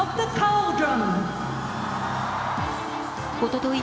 おととい